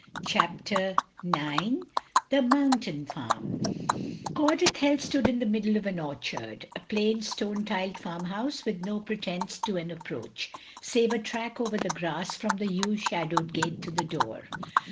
CHAPTER IX THE MOUNTAIN FARM Coed Ithel stood in the middle of an orchard; a plain stone tiled farmhouse with no pretence to an approach, save a track over the grass from the yew shadowed gate to the door.